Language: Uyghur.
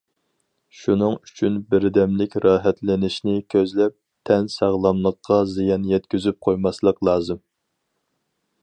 شۇنىڭ ئۈچۈن بىردەملىك راھەتلىنىشنى كۆزلەپ، تەن ساغلاملىققا زىيان يەتكۈزۈپ قويماسلىق لازىم.